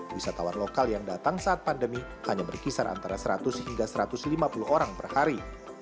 wisatawan lokal yang datang saat pandemi hanya berkisar antara seratus hingga satu ratus lima puluh orang per hari